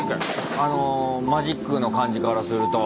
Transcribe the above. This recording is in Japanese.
あのマジックの感じからすると。